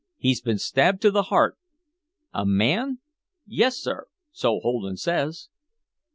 He'd been stabbed to the heart." "A man!" "Yes, sir so Holden says."